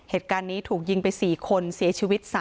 เหตุการณ์นี้ถูกยิงไป๔คนเสียชีวิต๓